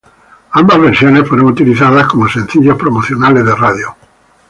Ambas versiones fueron utilizados como sencillos promocionales de radio.